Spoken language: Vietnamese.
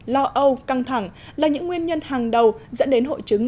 lo âu căng thẳng là những nguyên nhân hàng đầu dẫn đến hội chứng